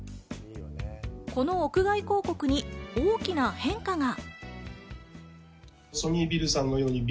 この屋外広告に大きな変化が。